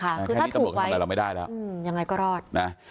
แค่นี้ตำรวจตามกฎหมายเราไม่ได้แล้วยังไงก็รอด